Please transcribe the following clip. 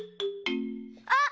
あっ！